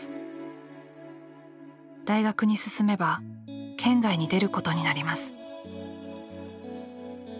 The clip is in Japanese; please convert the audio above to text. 大学に進めば県外に出ることになります。